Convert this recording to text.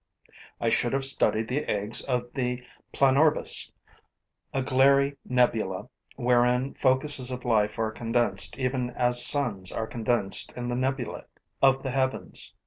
I should have studied the eggs of the Planorbis, a glairy nebula wherein focuses of life are condensed even as suns are condensed in the nebulae of the heavens.